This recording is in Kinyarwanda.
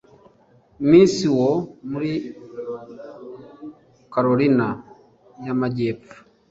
Miss wo muri Carolina y’amajyepfo